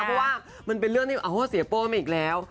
เพราะว่ามันเป็นเรื่องที่เสียโป้มาอีกแล้ว